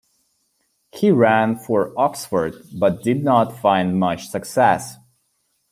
He ran for Oxford, but did not find much success.